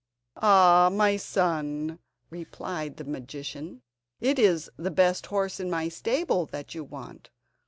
"Ah! my son," replied the magician, "it is the best horse in my stable that you want!